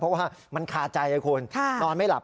เพราะว่ามันคาใจไงคุณนอนไม่หลับ